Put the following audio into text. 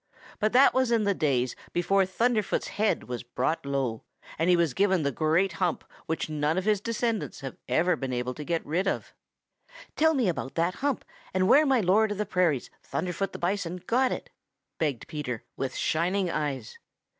But that was in the days before Thunderfoot's head was brought low, and he was given the great hump which none of his descendants have ever been able to get rid of." "Tell me about that hump and where my Lord of the Prairies, Thunderfoot the Bison, got it!" begged Peter, with shining eyes.